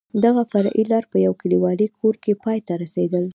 دغه فرعي لار په یو کلیوالي کور کې پای ته رسېدل.